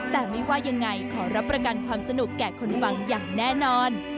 แต่ไม่ว่ายังไงขอรับประกันความสนุกแก่คนฟังอย่างแน่นอน